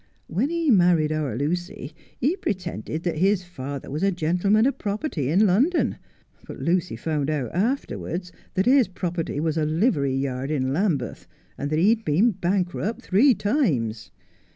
When he married our Lucy he pretended that his father was a gentleman of property in London, but Lucy found out afterwards that his property was a livery yard in Lambeth, and that he'd been bankrupt three times.